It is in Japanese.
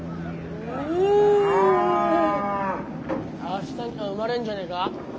明日には生まれんじゃねえか？